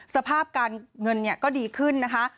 สภาพการเงินก็ดีขึ้นนะคะ